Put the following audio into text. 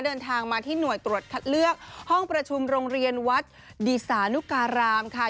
เดินทางมาที่หน่วยตรวจคัดเลือกห้องประชุมโรงเรียนวัดดีสานุการามค่ะ